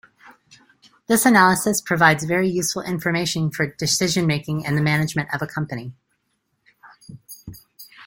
This analysis provides very useful information for decision-making in the management of a company.